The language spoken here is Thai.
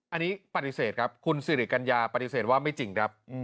อันนี้ปฏิเสธครับคุณสิริกัญญาปฏิเสธว่าไม่จริงครับ